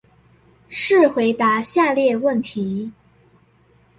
試回答下列問題